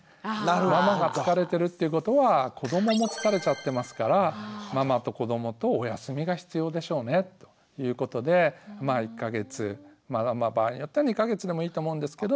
ママが疲れてるっていうことは子どもも疲れちゃってますからママと子どもとお休みが必要でしょうねということでまあ１か月場合によっては２か月でもいいと思うんですけど。